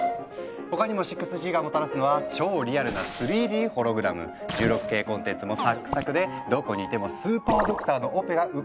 他にも６Ｇがもたらすのは超リアルな３Ｄホログラム１６Ｋコンテンツもサックサクでどこにいてもスーパードクターのオペが受けれちゃう未来なんです。